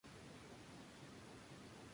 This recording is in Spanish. Su capital es Ramadi.